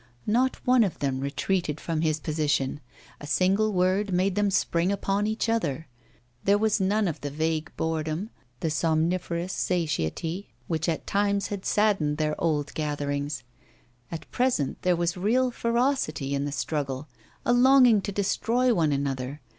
Not one of them retreated from his position; a single word made them spring upon each other. There was none of the vague boredom, the somniferous satiety which at times had saddened their old gatherings; at present there was real ferocity in the struggle, a longing to destroy one another.